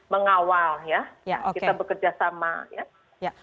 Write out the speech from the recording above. mengawal ya kita bekerja sama ya